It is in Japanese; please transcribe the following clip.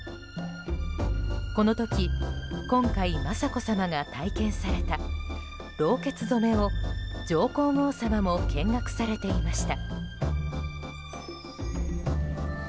この時、今回雅子さまが体験されたろうけつ染めを、上皇后さまも見学されていました。